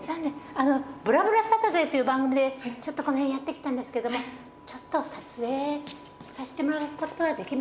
あの『ぶらぶらサタデー』っていう番組でちょっとこの辺やって来たんですけどもちょっと撮影させてもらうことはできますでしょうか？